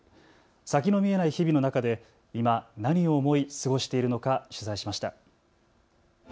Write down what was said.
先の見えない日々の中で今、何を思い過ごしているのか取材しました。